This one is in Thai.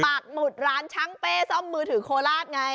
หมุดร้านช่างเป้ซ่อมมือถือโคราชไง